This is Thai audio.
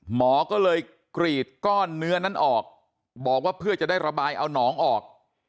หมอก็เลยกรีดก้อนเนื้อนั้นออกบอกว่าเพื่อจะได้ระบายเอาน้องออก